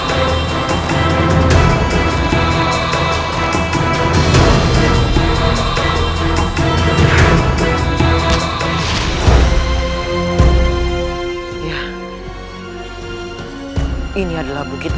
tenanganmu sedang jadi aura kebungkukan